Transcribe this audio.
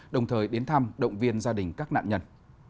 đồng thời đến thăm động viên gia đình các nạn nhân